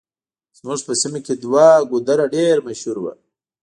زموږ په سيمه کې دوه ګودره ډېر مشهور وو.